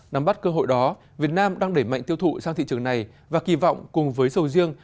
nắm bắt cơ hội đó việt nam đang đẩy mạnh tiêu thụ sang thị trường này và kỳ vọng cùng với sầu riêng